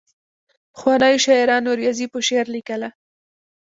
پخوانیو شاعرانو ریاضي په شعر لیکله.